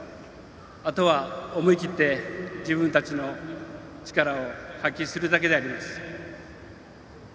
あとは思い切って自分たちの力を発揮するだけであります。